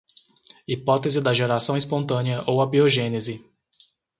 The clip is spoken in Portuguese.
Hipótese da geração espontânea ou abiogênese